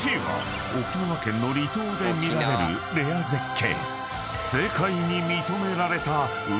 ［沖縄県の離島で見られるレア絶景］